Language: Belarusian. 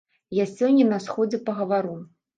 Я сёння на сходзе пагавару.